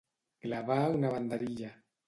Clavar una banderilla.